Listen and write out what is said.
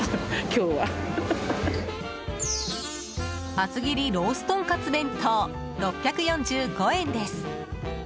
厚切ロースとんかつ弁当６４５円です。